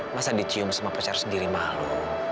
masa dicium sama pacar sendiri malu